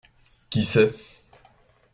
Qui sait ?